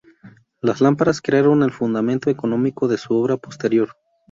Las lámparas crearon el fundamento económico de su obra posterior.